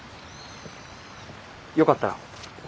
よかったら。